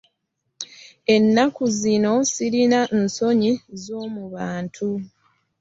Ennaku zino sirina nsonyi z'omu bantu.